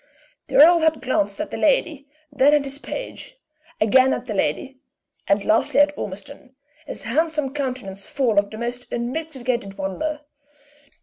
The earl had glanced at the lady, then at his page, again at the lady, and lastly at Ormiston, his handsome countenance full of the most unmitigated wonder.